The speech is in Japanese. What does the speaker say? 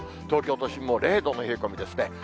東京都心も０度の冷え込みですね。